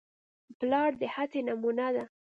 پلار د هڅې نمونه ده.